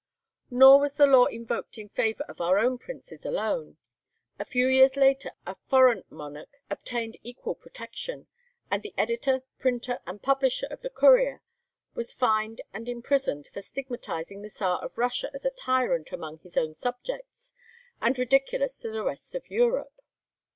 Nor was the law invoked in favour of our own princes alone. A few years later a foreign monarch obtained equal protection, and the editor, printer, and publisher of the 'Courier' were fined and imprisoned for stigmatizing the Czar of Russia as a tyrant among his own subjects, and ridiculous to the rest of Europe.